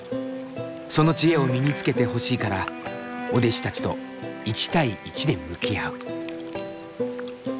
その知恵を身につけてほしいからお弟子たちと１対１で向き合う。